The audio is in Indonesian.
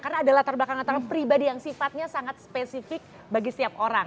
karena ada latar belakang antara pribadi yang sifatnya sangat spesifik bagi setiap orang